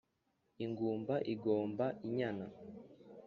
ingumba igomba inyana